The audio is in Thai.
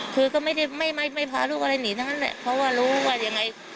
คือก็ไม่ได้ไม่พาลูกอะไรหนีทั้งนั้นแหละเพราะว่ารู้ว่ายังไง